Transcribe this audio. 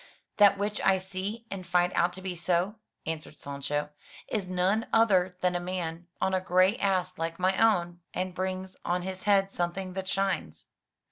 '* "That which I see and find out to be so,'* answered Sancho, "is none other than a man on a grey ass like mine own, and brings on his head something that shines."